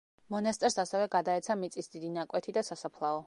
მონასტერს ასევე გადაეცა მიწის დიდი ნაკვეთი და სასაფლაო.